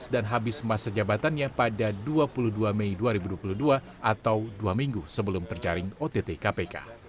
dan habis masa jabatannya pada dua puluh dua mei dua ribu dua puluh dua atau dua minggu sebelum terjaring ott kpk